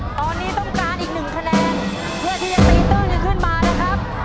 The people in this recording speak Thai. ตอนนี้ต้องการอีกหนึ่งคะแนนเพื่อที่จะตีตื้นกันขึ้นมานะครับ